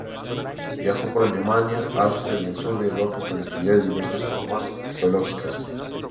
Viajó por Alemania, Austria y el sur de Europa para estudiar diversas formaciones geológicas.